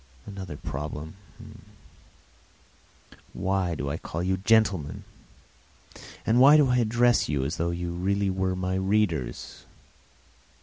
And another problem: why do I call you "gentlemen," why do I address you as though you really were my readers?